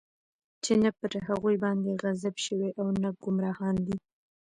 چې نه پر هغوى باندې غضب شوى او نه ګمراهان دی.